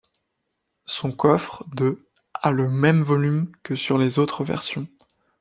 Son coffre de a le même volume que sur les autres versions.